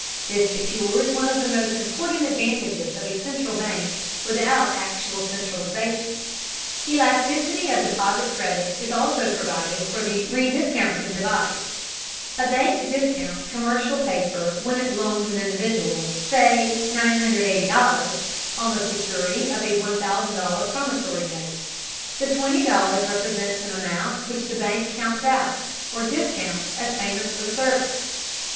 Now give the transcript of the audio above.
This secures one of the most important advantages of a central bank without actual centralization. Elasticity of deposit credit is also provided for in the "rediscounting device." A bank discounts commercial paper when it loans an individual, say, $980, on the security of a $1000 promissory note. The $20 represents an amount which the bank counts out, or discounts, as payment for the service.